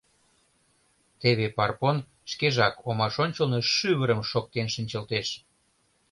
Теве Парпон шкежак омаш ончылно шӱвырым шоктен шинчылтеш.